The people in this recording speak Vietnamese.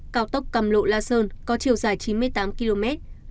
cao tốc cam lộ la sơn có chiều dài chín mươi tám km